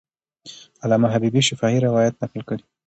علامه حبیبي شفاهي روایت نقل کړی.